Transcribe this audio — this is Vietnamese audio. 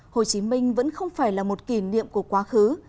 hồ chí minh vẫn không phải là một kỷ niệm của quá khứ